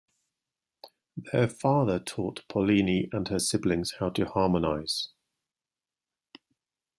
Their father taught Paulini and her siblings how to harmonise.